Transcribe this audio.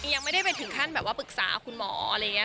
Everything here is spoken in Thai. ยังไม่ได้ไปถึงขั้นแบบว่าปรึกษาคุณหมออะไรอย่างนี้